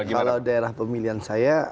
kalau daerah pemilihan saya